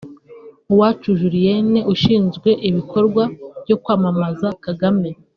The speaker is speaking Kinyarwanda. Uwacu Julienne ushinzwe ibikorwa byo kwamamaza Kagame